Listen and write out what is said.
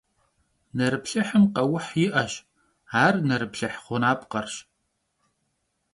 Nerıplhıhım kheuh yi'eş, ar nerıplhıh ğunapkherş.